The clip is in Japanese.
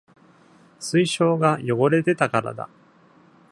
水晶が汚れてたからだ。